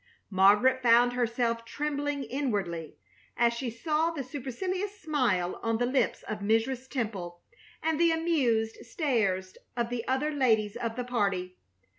Margaret found herself trembling inwardly as she saw the supercilious smile on the lips of Mrs. Temple and the amused stares of the other ladies of the party.